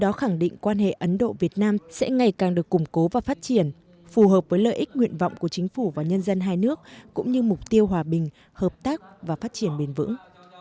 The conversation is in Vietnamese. đó khẳng định quan hệ ấn độ việt nam sẽ ngày càng được củng cố và phát triển phù hợp với lợi ích nguyện vọng của chính phủ và nhân dân hai nước cũng như mục tiêu hòa bình hợp tác và phát triển bền vững